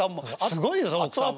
すごいですね奥さんは。